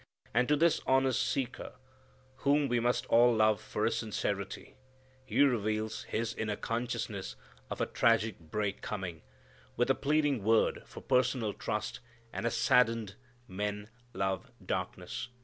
And to this honest seeker, whom we must all love for his sincerity, He reveals His inner consciousness of a tragic break coming, with a pleading word for personal trust, and a saddened "men love darkness."